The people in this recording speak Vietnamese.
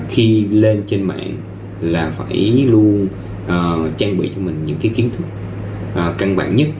khi lên trên mạng là phải luôn trang bị cho mình những cái kiến thức căn bản nhất